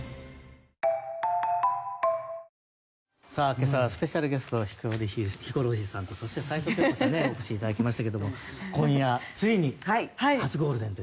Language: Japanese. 今朝はスペシャルゲストヒコロヒーさんとそして齊藤京子さんにねお越しいただきましたけども今夜ついに初ゴールデンという事で。